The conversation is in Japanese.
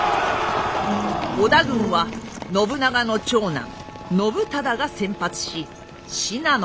織田軍は信長の長男信忠が先発し信濃から。